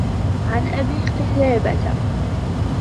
عَنْ أَبِي قِلَابَةَ